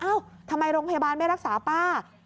ทำไมโรงพยาบาลไม่รักษาป้า